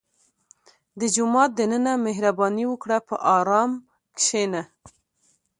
• د جومات دننه مهرباني وکړه، په ارام کښېنه.